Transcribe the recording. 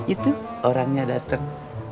itu orangnya dateng